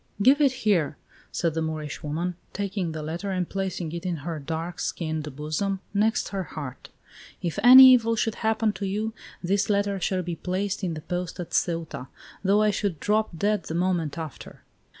"Give it here!" said the Moorish woman, taking the letter and placing it in her dark skinned bosom, next her heart. "If any evil should happen to you, this letter shall be placed in the post at Ceuta, though I should drop dead the moment after."